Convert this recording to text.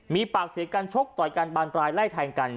มีปากเสียงกันชกต่อยกันบานปลายไล่แทงกัน